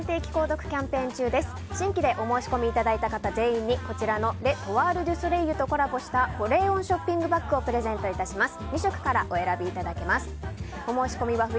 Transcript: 新規でお申し込みいただいた方全員にこちらのレ・トワール・デュ・ソレイユとコラボした保冷温ショッピングバッグをプレゼント致します。